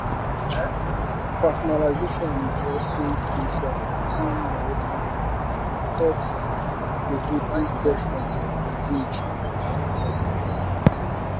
Personalization is also crucial, using narratives and thought-provoking questions to engage the audience.